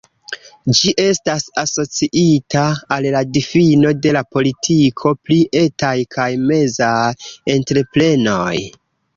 Ĝi estas asociita al la difino de la politiko pri etaj kaj mezaj entreprenoj.